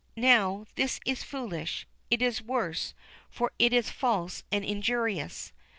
Now this is foolish it is worse, for it is false and injurious.